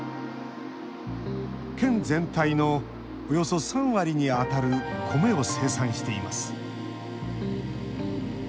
県全体のおよそ３割にあたる米を生産しています。